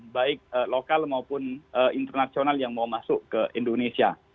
baik lokal maupun internasional yang mau masuk ke indonesia